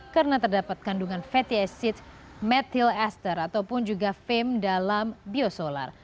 karena terdapat kandungan fatty acid methyl ester ataupun juga fem dalam biosolar